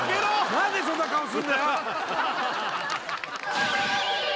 何でそんな顔すんだよ